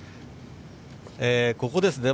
ここですね。